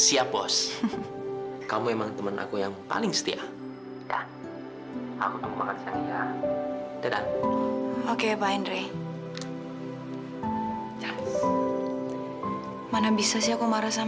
ya aku minta maaf aku bilang aku maaf aku kelepasan